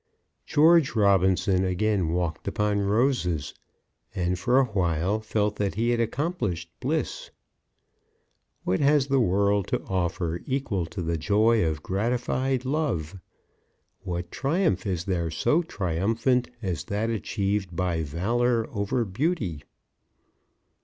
George Robinson again walked upon roses, and for a while felt that he had accomplished bliss. What has the world to offer equal to the joy of gratified love? What triumph is there so triumphant as that achieved by valour over beauty?